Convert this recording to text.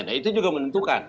nah itu juga menentukan